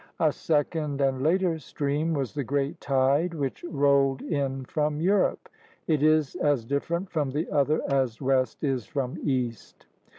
A second and later stream was the great tide which rolled in from Europe. It is as different from the other as West is from East.